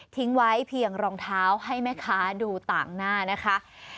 ไว้เพียงรองเท้าให้แม่ค้าดูต่างหน้านะคะ